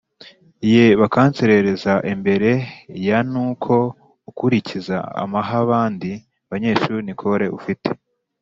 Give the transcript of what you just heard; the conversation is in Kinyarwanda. ye bakanserereza imbere y an uko ukurikiza amahabandi banyeshuri Nicole ufite